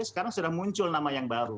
sekarang sudah muncul nama yang baru